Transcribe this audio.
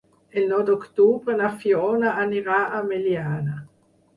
El nou d'octubre na Fiona anirà a Meliana.